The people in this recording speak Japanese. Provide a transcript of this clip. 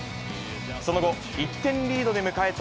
その後、１点リードで迎えた